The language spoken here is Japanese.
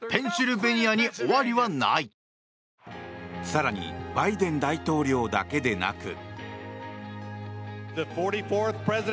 更にバイデン大統領だけでなく。